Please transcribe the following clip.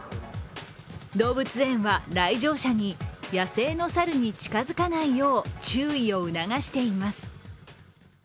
動物園は来場者に野生のサルに近づかないように注意を促しています。